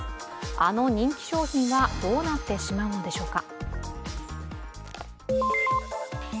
あの人気商品はどうなってしまうのでしょうか